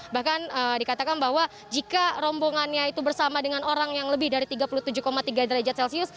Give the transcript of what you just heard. bahkan dikatakan bahwa jika rombongannya itu bersama dengan orang yang lebih dari tiga puluh tujuh tiga derajat celcius